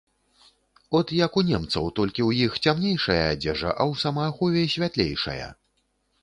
От як у немцаў, толькі ў іх цямнейшая адзежа, а ў самаахове святлейшая.